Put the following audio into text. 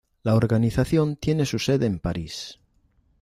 La organización tiene su sede en París.